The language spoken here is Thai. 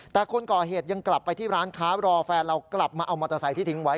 แต่คนก่อเหตุยังกลับไปที่ร้านค้ารอแฟนเรากลับมาเอามอเตอร์ไซค์ที่ทิ้งไว้